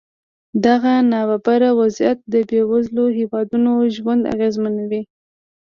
دغه نابرابره وضعیت د بېوزلو هېوادونو ژوند اغېزمنوي.